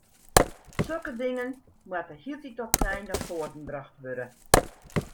Sokke dingen moatte hieltyd op 'e nij nei foaren brocht wurde.